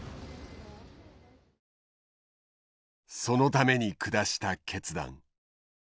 そのために下した決断。